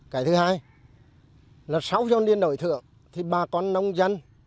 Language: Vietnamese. cái thứ hai là sau dồn điền đổi thừa thì bà con nông dân